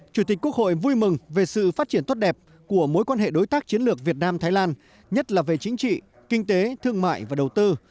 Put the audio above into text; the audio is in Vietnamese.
chủ tịch quốc hội vui mừng về sự phát triển tốt đẹp của mối quan hệ đối tác chiến lược việt nam thái lan nhất là về chính trị kinh tế thương mại và đầu tư